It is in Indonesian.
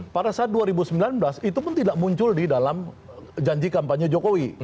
pada saat dua ribu sembilan belas itu pun tidak muncul di dalam janji kampanye jokowi